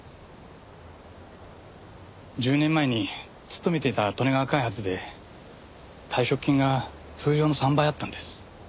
１０年前に勤めていた利根川開発で退職金が通常の３倍あったんです。